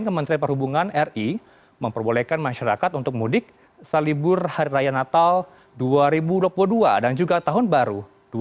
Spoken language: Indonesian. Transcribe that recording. kementerian perhubungan ri memperbolehkan masyarakat untuk mudik salibur hari raya natal dua ribu dua puluh dua dan juga tahun baru dua ribu dua puluh